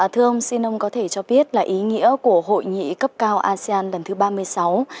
thưa ông xin ông có thể cho biết là ý nghĩa của hội nghị cấp cao asean lần thứ ba mươi sáu